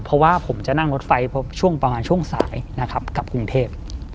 เพราะว่าผมจะนั่งรถไฟช่วงประมาณช่วงสายนะครับกลับกรุงเทพ